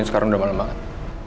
ini sekarang udah malem banget